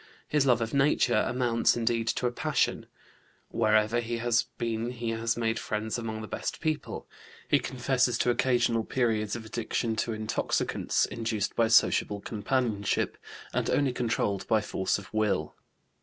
His love of nature amounts, indeed, to a passion. Wherever he has been he has made friends among the best people. He confesses to occasional periods of addiction to intoxicants, induced by sociable companionship, and only controlled by force of will.